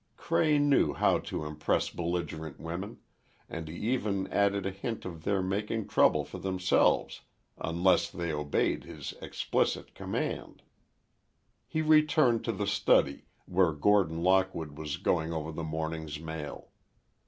Cray knew how to impress belligerent women, and he even added a hint of their making trouble for themselves unless they obeyed his explicit command. He returned to the study, where Gordon Lockwood was going over the morning's mail.